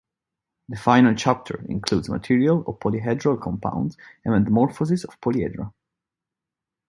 The final chapter includes material on polyhedral compounds and metamorphoses of polyhedra.